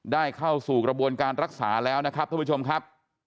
เข้าสู่กระบวนการรักษาแล้วนะครับท่านผู้ชมครับ